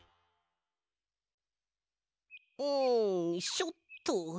んしょっと。